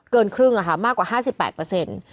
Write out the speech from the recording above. เกินครึ่งอะค่ะมากกว่า๕๘เปอร์เซ็นต์